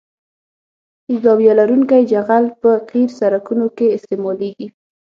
زاویه لرونکی جغل په قیر سرکونو کې استعمالیږي